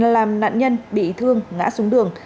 làm nạn nhân bị thương ngã xuống đường